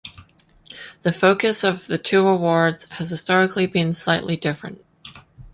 The focus of the two awards has historically been slightly different.